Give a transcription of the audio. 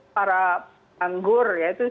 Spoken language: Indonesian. para anggur yaitu